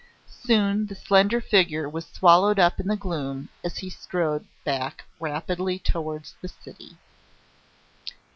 Soon the slender figure was swallowed up in the gloom as he strode back rapidly towards the city.